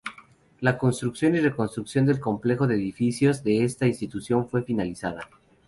La construcción y reconstrucción del complejo de edificios de esta institución fue finalizada.